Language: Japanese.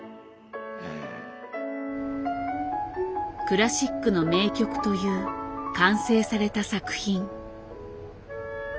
クラシックの名曲という完成された作品。